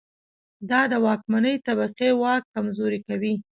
دا د واکمنې طبقې واک کمزوری کوي.